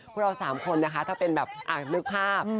พวกเรา๓คนนะคะถ้าเป็นแบบนึกภาพ